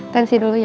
tensi dulu ya